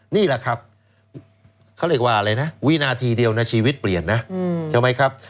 นี่แหละครับเขาเรียกว่าอะไรนะวินาทีเดียวนะชีวิตเปลี่ยนนะใช่ไหมครับ